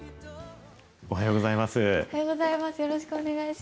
おはようございます。